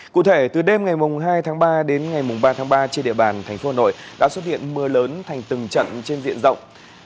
cụ thể từ đêm ngày hai tháng ba đến ngày ba tháng ba trên địa bàn thành phố hà nội đã xuất hiện mưa lớn thành từng trận trên diện rộng